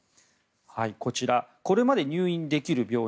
こちら、これまで入院できる病院